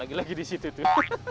lagi lagi di situ tuh